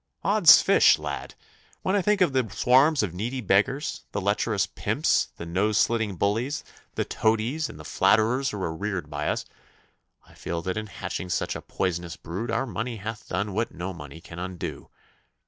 Od's fish, lad! when I think of the swarms of needy beggars, the lecherous pimps, the nose slitting bullies, the toadies and the flatterers who were reared by us, I feel that in hatching such a poisonous brood our money hath done what no money can undo.